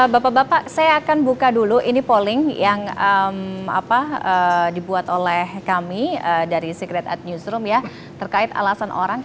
bapak bapak saya akan buka dulu ini polling yang dibuat oleh kami dari secret at newsroom ya terkait alasan orang